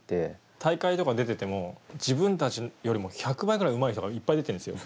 大会とか出てても自分たちよりも１００倍ぐらいうまい人がいっぱい出てるんですよ。